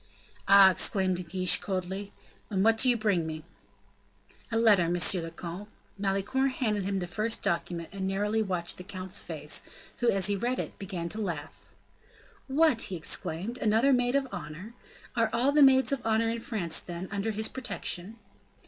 "Ah!" exclaimed De Guiche, coldly; "and what do you bring me?" "A letter, monsieur le comte." Malicorne handed him the first document, and narrowly watched the count's face, who, as he read it, began to laugh. "What!" he exclaimed, "another maid of honor? Are all the maids of honor in France, then, under his protection?"